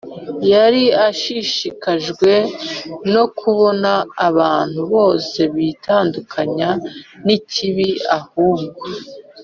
Yari ashishikajwe no kubona abantu bose bitandukanya n ikibi ahubwo